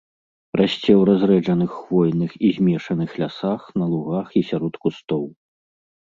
Расце ў разрэджаных хвойных і змешаных лясах, на лугах і сярод кустоў.